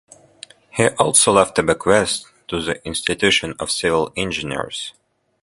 He also left a bequest to the Institution of Civil Engineers.